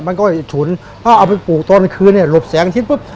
มันก็จะฉุนถ้าเอาไปปลูกตอนคืนเนี่ยหลบแสงอาทิตยปุ๊บ